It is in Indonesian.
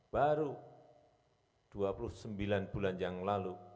baru dua puluh sembilan bulan yang lalu